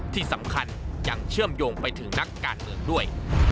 ที่สำคัญยังเชื่อมโยงไปถึงนักการเมืองด้วย